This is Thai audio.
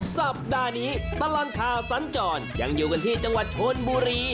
สัปดาห์นี้ตลอดข่าวสัญจรยังอยู่กันที่จังหวัดชนบุรี